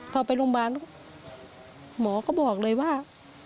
พอไปโรงพยาบาลหมอก็บอกเลยว่า